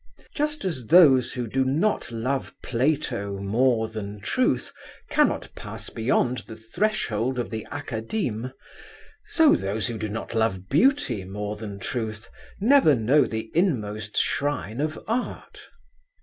Just as those who do not love Plato more than Truth cannot pass beyond the threshold of the Academe, so those who do not love Beauty more than Truth never know the inmost shrine of Art.